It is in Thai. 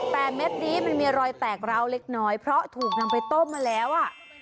แต่เม็ดนี้มันมีรอยแตกร้าวเล็กน้อยเพราะถูกนำไปต้มมาแล้วอ่ะ